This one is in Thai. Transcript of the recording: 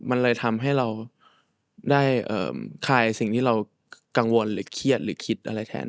มันเลยทำให้เราได้คลายสิ่งที่เรากังวลหรือเครียดหรือคิดอะไรแทน